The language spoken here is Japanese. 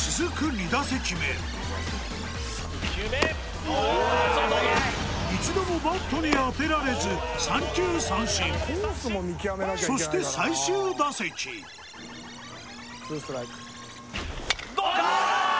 ２打席目３球目おー外だ一度もバットに当てられず三球三振そして最終打席どうかー！？